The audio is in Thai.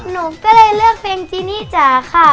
หนูก็เลยเลือกเพลงจีนี่จ๋าค่ะ